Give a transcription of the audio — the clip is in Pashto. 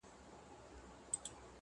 امير ئې ورکوي، شيخ مير ئې نه ورکوي.